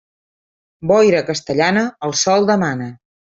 Boira castellana, el sol demana.